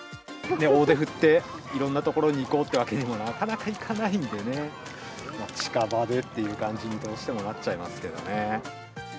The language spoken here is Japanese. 大手振って、いろんな所に行こうっていうわけにもなかなかいかないんでね、近場でっていう感じに、どうしてもなっちゃいますけどね。